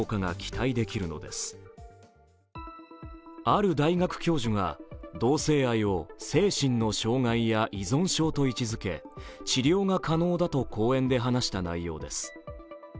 ある大学教授が同性愛を精神の障害や依存症と位置づけ治療が可能だと講演で話した内容です。